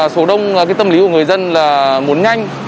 số đông là tâm lý của người dân là muốn nhanh